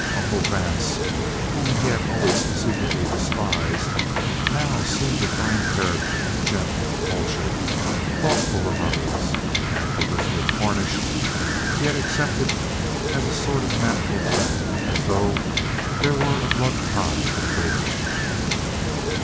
Uncle Vance, whom he had always secretly despised, now seemed a fine character, gentle, cultured, thoughtful of others. Aunt Elizabeth Cornish he had accepted as a sort of natural fact, as though there were a blood tie between them.